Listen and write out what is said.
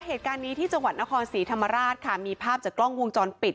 เหตุการณ์นี้ที่จังหวัดนครศรีธรรมราชค่ะมีภาพจากกล้องวงจรปิด